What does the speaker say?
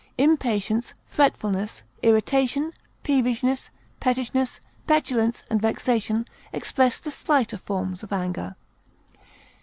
Impatience, fretfulness, irritation, peevishness, pettishness, petulance, and vexation express the slighter forms of anger.